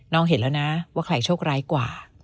เห็นแล้วนะว่าใครโชคร้ายกว่า